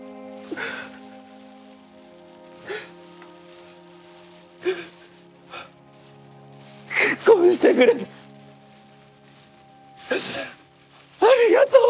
ううっあぁ。結婚してくれてありがとう！